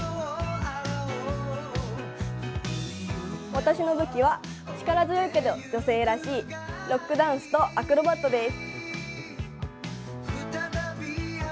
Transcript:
私の武器は力強いけど女性らしいロックダンスとアクロバットです。